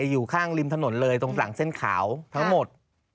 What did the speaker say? อยู่ข้างริมถนนเลยตรงฝั่งเส้นขาวทั้งหมด